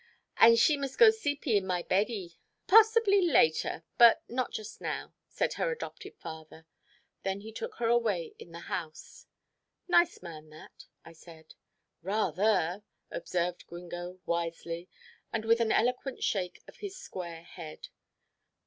"An' she must go seepie in my beddie." "Possibly later, but not just now," said her adopted father; then he took her away in the house. "Nice man, that," I said. "Rather," observed Gringo wisely, and with an eloquent shake of his square head.